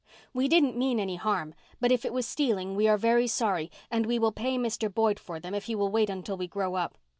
We didn't mean any harm, but if it was stealing we are very sorry and we will pay Mr. Boyd for them if he will wait until we grow up.